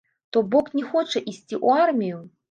То бок, не хоча ісці ў армію.